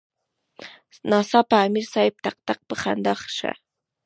ناڅاپه امیر صېب ټق ټق پۀ خندا شۀ ـ